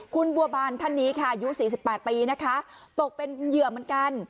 คุณบัวบานท่านนี้ค่ะอายุ๔๘ปีนะคะตกเป็นเหยื่อเหมือนกัน